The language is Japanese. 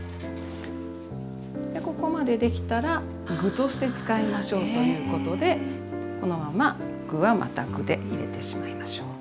でここまでできたら具として使いましょうということでこのまま具はまた具で入れてしまいましょう。